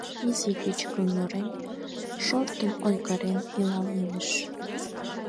Изи кӱчык ӱмырем шортын-ойгырен илалмеш